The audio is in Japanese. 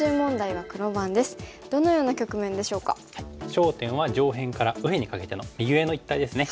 焦点は上辺から右辺にかけての右上の一帯ですね。